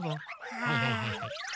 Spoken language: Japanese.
はいはいはいはい。